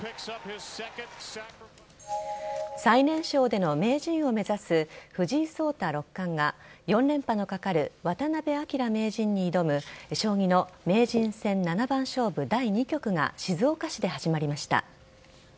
最年少での名人を目指す藤井聡太六冠が４連覇のかかる渡辺明名人に挑む将棋の名人戦７番勝負第２局が静岡市で始まりました。